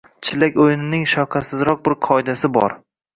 Chillak o‘yinining shafqatsizroq bir qoidasi bor.